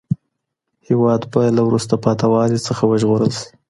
هیواد به له وروسته پاته والي څخه وژغورل سي.